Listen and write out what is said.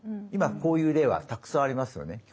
今こういう例はたくさんありますよね。